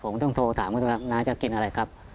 ผมต้องโทรถามเขาว่าน้าจะกินอะไรครับ